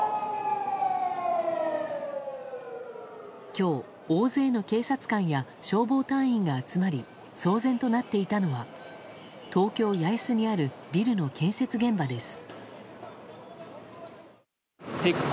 今日、大勢の警察官や消防隊員が集まり騒然となっていたのは東京・八重洲にあるビルの建設現場です。